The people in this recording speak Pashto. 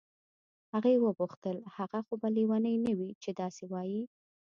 هغې وپوښتل هغه خو به لیونی نه وي چې داسې وایي.